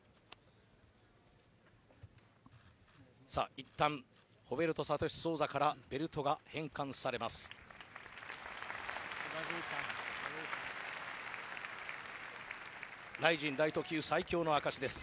いったんホベルト・サトシ・ソウザからベルトが返還されます。